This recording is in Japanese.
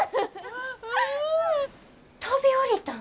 飛び降りたん！？